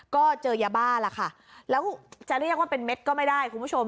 ก็เจอยาบ้าล่ะค่ะแล้วจะเรียกว่าเป็นเม็ดก็ไม่ได้คุณผู้ชม